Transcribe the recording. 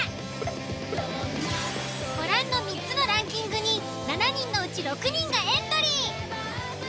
ご覧の３つのランキングに７人のうち６人がエントリー。